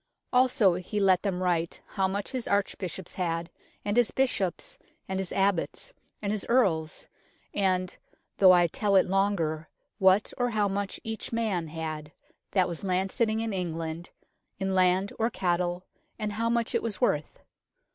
Also he let them write how much his arch bishops had, and his bishops, and his abbots, and his earls, and, though I tell it longer, what or how much each man had, that was landsitting in England, in land or cattle, and how much it was worth.